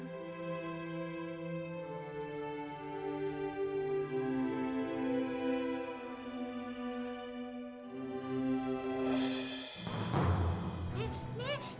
nenek bangun nenek